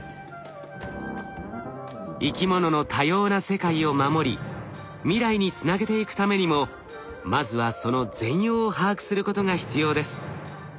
生き物の多様な世界を守り未来につなげていくためにもまずはその全容を把握することが必要です。